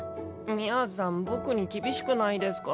ミャアさん僕に厳しくないですか？